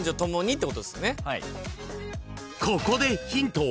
［ここでヒント。